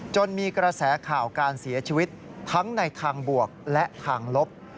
มีกระแสข่าวการเสียชีวิตทั้งในทางบวกและทางลบ